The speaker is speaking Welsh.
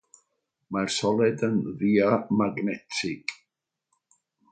Mae'r solet yn ddiamagnetig.